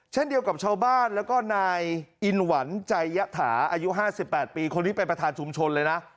เช่นเดียวกับชาวบ้านแล้วก็นายอินหวันใจยะถาอายุ๕๘ปีคนนี้เป็นประธานชุมชนเลยนะ